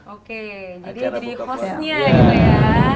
oke jadi postnya gitu ya